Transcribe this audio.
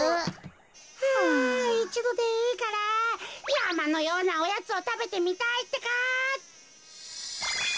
あいちどでいいからやまのようなおやつをたべてみたいってか。